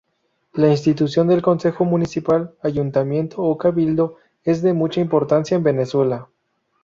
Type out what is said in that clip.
La institución del Concejo Municipal, Ayuntamiento o Cabildo es de mucha importancia en Venezuela.